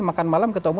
makan malam ketemu